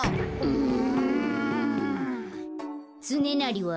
うん。